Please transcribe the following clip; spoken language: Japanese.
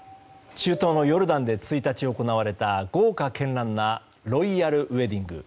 中東のヨルダンで１日行われた豪華絢爛なロイヤルウェディング。